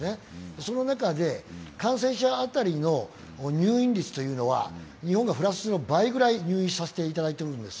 その中で感染者当たりの入院率は日本がフランスの倍ぐらい入院させていただいているんです。